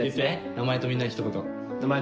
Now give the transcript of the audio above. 名前とみんなに一言。